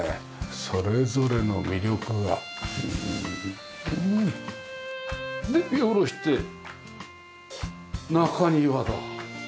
それぞれの魅力が。で見下ろして中庭だ。